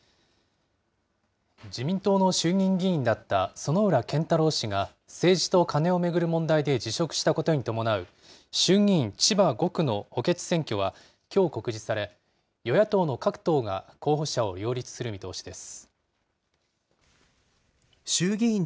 自民党の衆議院議員だった薗浦健太郎氏が政治とカネを巡る問題で辞職したことに伴う衆議院千葉５区の補欠選挙は、きょう告示され、与野党の各党が候補者を擁立する見通しです。